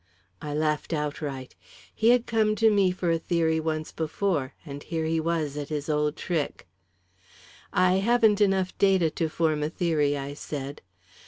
I laughed outright. He had come to me for a theory once before, and here he was at his old trick. "I haven't enough data to form a theory," I said.